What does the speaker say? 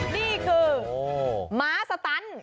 นี่คือม้าสตัน